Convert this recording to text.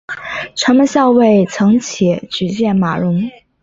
城门校尉岑起举荐马融。